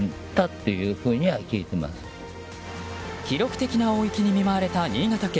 記録的な大雪に見舞われた新潟県。